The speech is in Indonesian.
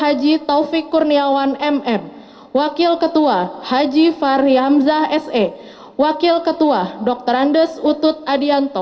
haji taufik kurniawan mm wakil ketua haji fahri hamzah se wakil ketua dr andes utut adianto